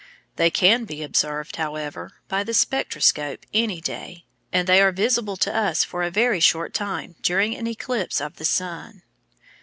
They can be observed, however, by the spectroscope any day, and they are visible to us for a very short time during an eclipse of the sun.